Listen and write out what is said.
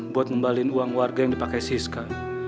buat ngembalin uang warga yang dipakai siska